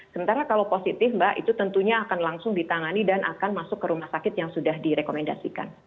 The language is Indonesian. sementara kalau positif mbak itu tentunya akan langsung ditangani dan akan masuk ke rumah sakit yang sudah direkomendasikan